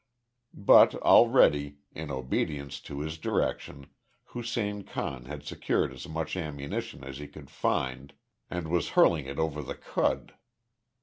But already, in obedience to his direction, Hussein Khan had secured as much ammunition as he could find, and was hurling it over the khud.